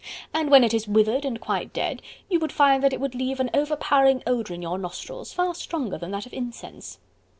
and when it is withered and quite dead you would find that it would leave an overpowering odour in your nostrils, far stronger than that of incense."